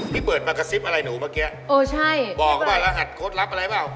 พี่เบิร์ดมากระซิบอะไรหนูเมื่อกี้บอกก็เปล่ารหัสโค้ดรับอะไรเปล่า